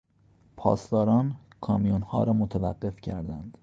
پاسداران کامیونها را متوقف کردند.